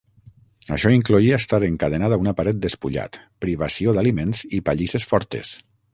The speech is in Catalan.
Això incloïa estar encadenat a una paret despullat, privació d'aliments i pallisses fortes.